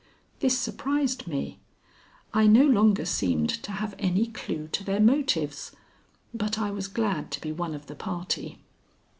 This surprised me. I no longer seemed to have any clue to their motives; but I was glad to be one of the party.